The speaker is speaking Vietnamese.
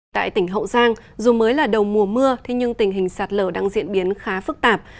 tại tỉnh hậu giang dù mới là đầu mùa mưa nhưng tình hình sạt lở đang diễn biến khá phức tạp